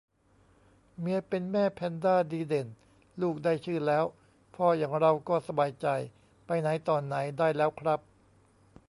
เมียเป็นแม่แพนด้าดีเด่น ลูกได้ชื่อแล้ว พ่ออย่างเราก็สบายใจ ไปไหนต่อไหนได้แล้วครับ